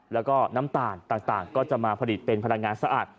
แล้วก็น้ำตาลต่างก็จะมาผลิตเป็นพลังงานสะอาด